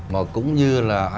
mà cũng như là